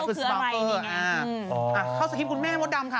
เขาสคริปของคนแม่มดำค่ะ